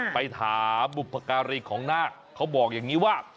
ไปถามบุพการีของนาคเขาบอกอย่างนี้ว่า